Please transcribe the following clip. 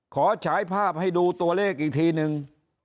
ฉายภาพให้ดูตัวเลขอีกทีนึง